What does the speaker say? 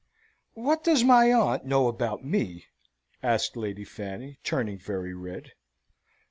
"What does my aunt know about me?" asked Lady Fanny, turning very red.